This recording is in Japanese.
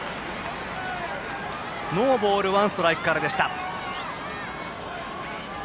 ノーボールワンストライクからでした。